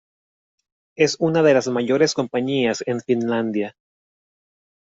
Es una de las mayores compañías en Finlandia.